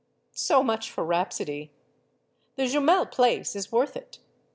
So much for rhapsody. The Jumel place is worth it.